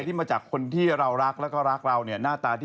กระเทยเก่งกว่าเออแสดงความเป็นเจ้าข้าว